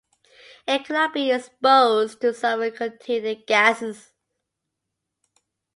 It can not be exposed to sulphur-containing gases.